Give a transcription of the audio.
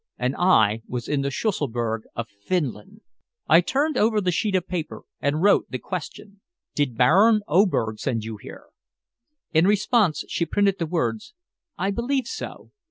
And I was in the Schusselburg of Finland! I turned over the sheet of paper and wrote the question "Did Baron Oberg send you here?" In response, she printed the words "I believe so.